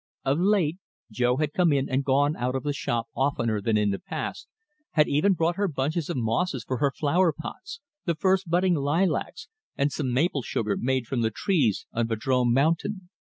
Of late Jo had come in and gone out of the shop oftener than in the past, had even brought her bunches of mosses for her flower pots, the first budding lilacs, and some maple sugar made from the trees on Vadrome Mountain.